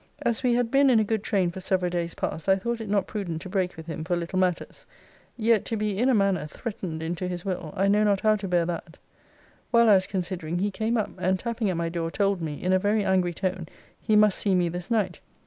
As we had been in a good train for several days past, I thought it not prudent to break with him for little matters. Yet, to be, in a manner, threatened into his will, I know not how to bear that. While I was considering, he came up, and, tapping at my door, told me, in a very angry tone, he must see me this night.